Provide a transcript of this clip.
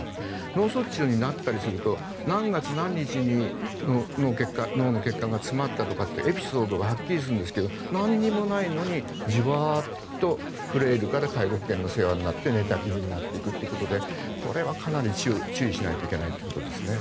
脳卒中になったりすると何月何日に脳の血管が詰まったとかってエピソードがはっきりするんですが何もないのにジワーッとフレイルから介護保険の世話になって寝たきりになっていくということでこれはかなり注意しないといけないですね。